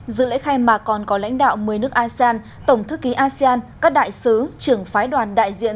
dự lễ khai mạc còn có lãnh đạo một mươi nước asean tổng thư ký asean các đại sứ trưởng phái đoàn đại diện